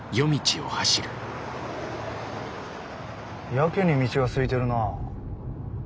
やけに道がすいてるなあ。